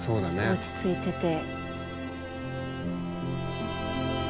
落ち着いてて。